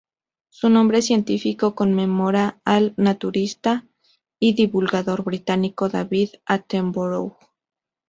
Su nombre científico conmemora al naturalista y divulgador británico David Attenborough.